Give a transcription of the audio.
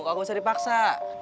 kamu bisa dipaksa